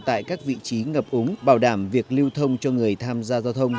tại các vị trí ngập ống bảo đảm việc lưu thông cho người tham gia giao thông